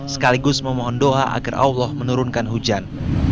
sekaligus memohon doa agar allah menurunkan hujan